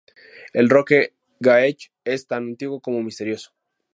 La Roque-Gageac es tan antiguo como misterioso.